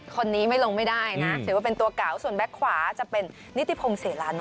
คนนี้ไม่ลงไม่ได้นะถือว่าเป็นตัวเก่าส่วนแก๊กขวาจะเป็นนิติพงศิลานท